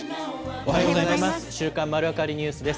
おはようございます。